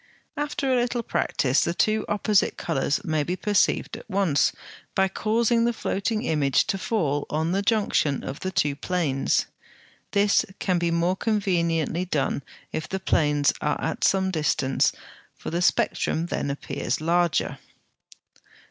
After a little practice the two opposite colours may be perceived at once, by causing the floating image to fall on the junction of the two planes. This can be more conveniently done if the planes are at some distance, for the spectrum then appears larger.